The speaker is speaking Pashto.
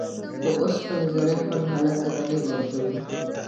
د اوسپنې ذرې خپل حالت ته تغیر ورکوي.